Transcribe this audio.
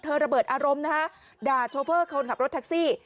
เธอระเบิดอารมณ์นะคะด่าโชเฟอร์เข้าห้นขับรถแท็กซี่